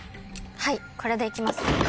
はいこれでいきます。